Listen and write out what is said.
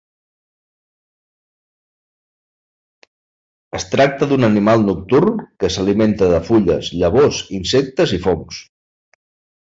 Es tracta d'un animal nocturn que s'alimenta de fulles, llavors, insectes i fongs.